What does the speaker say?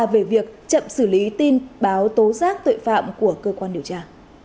về việc chậm xử lý tin báo tố giác tội phạm của cơ quan điều tra